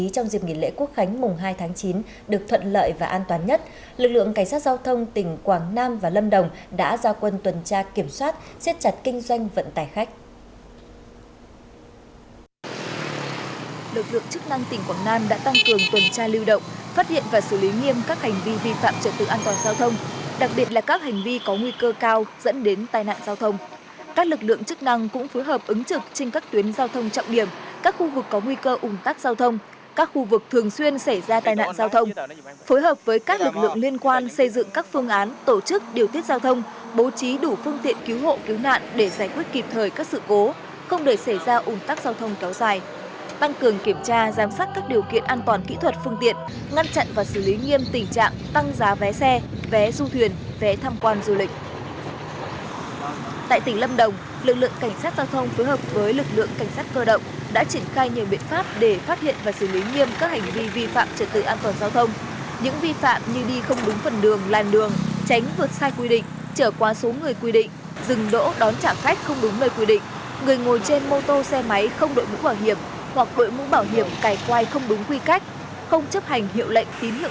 trở qua số người quy định rừng đỗ đón chạm khách không đúng nơi quy định người ngồi trên mô tô xe máy không đội mũ bảo hiểm hoặc đội mũ bảo hiểm cài quai không đúng quy cách không chấp hành hiệu lệnh tín hiệu giao thông sử dụng rượu bia khi tham gia giao thông sẽ bị cảnh sát giao thông xử lý nghiêm